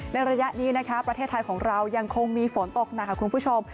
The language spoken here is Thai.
ระยะนี้นะคะประเทศไทยของเรายังคงมีฝนตกหนักค่ะคุณผู้ชม